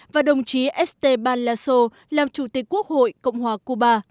và đồng chí esteban laso làm chủ tịch quốc hội cộng hòa cuba